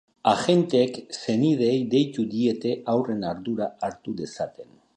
Agenteek senideei deitu diete haurren ardura hartu dezaten.